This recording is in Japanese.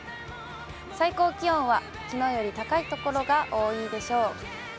最高気温はきのうより高い所が多いでしょう。